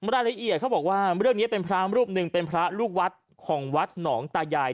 รายละเอียดเขาบอกว่าเรื่องนี้เป็นพระรูปหนึ่งเป็นพระลูกวัดของวัดหนองตายาย